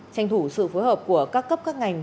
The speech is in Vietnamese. tranh thủ sự phối hợp của các cấp các ngành